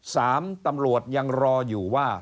ตำรวจยังรออยู่ว่า